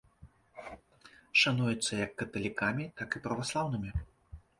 Шануецца як каталікамі, так і праваслаўнымі.